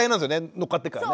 乗っかってるからね。